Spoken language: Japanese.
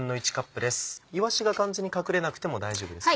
いわしが完全に隠れなくても大丈夫ですか？